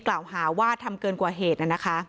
กล่าวหาว่าทำเกินกว่าเหตุ